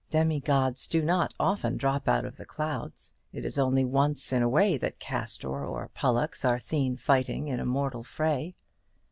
Demi gods do not often drop out of the clouds. It is only once in a way that Castor and Pollux are seen fighting in a mortal fray.